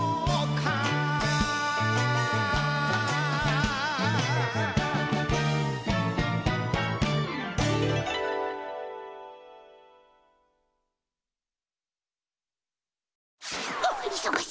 はあいそがしい！